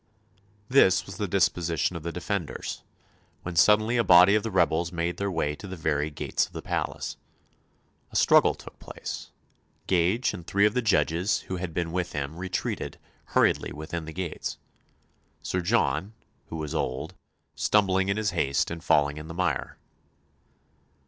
This was the disposition of the defenders, when suddenly a body of the rebels made their way to the very gates of the palace. A struggle took place; Gage and three of the judges who had been with him retreated hurriedly within the gates, Sir John, who was old, stumbling in his haste and falling in the mire.